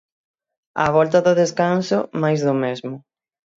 Á volta do descanso, máis do mesmo.